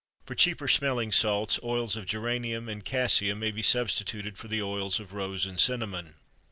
For cheaper smelling salts oils of geranium and cassia may be substituted for the oils of rose and cinnamon.